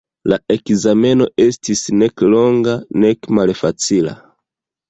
La ekzameno estis nek longa, nek malfacila.